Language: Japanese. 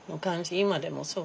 今でもそう。